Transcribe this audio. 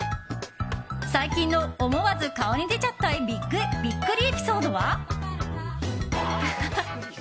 最近の思わず顔に出ちゃったビックリエピソードは？